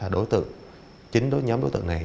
đối tượng chính đối nhóm đối tượng này